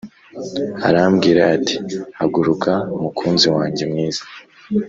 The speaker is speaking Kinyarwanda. arambwira ati “Haguruka mukunzi wanjye mwiza